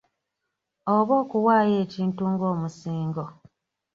Oba okuwaaayo ekintu ng'omusingo.